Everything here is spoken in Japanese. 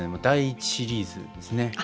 第１シリーズですね。